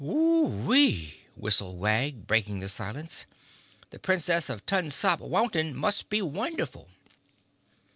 "Whe ew!" whistled Wag, breaking the silence. "The Princess of Tun Sop Wountain must be wonderful."